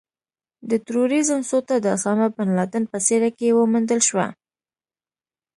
د ترورېزم سوټه د اسامه بن لادن په څېره کې وموندل شوه.